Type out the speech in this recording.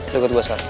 lo ikut gue sekarang